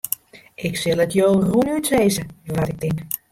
Ik sil it jo rûnút sizze wat ik tink.